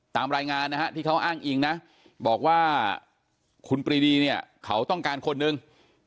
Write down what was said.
ตามรายงานนะฮะที่เขาอ้างอิงนะบอกว่าคุณปรีดีเนี่ยเขาต้องการคนหนึ่ง